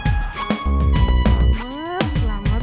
selamat selamat ulang